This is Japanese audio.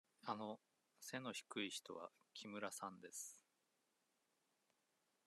あの背が低い人は木村さんです。